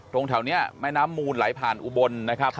ตรงแถวนี้แม่น้ำมูลไหลผ่านอุบลนะครับ